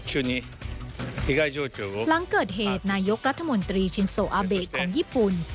หลังเกิดเหตุนายกรัฐมนตรีชินโซอาเบสของญี่ปุ่น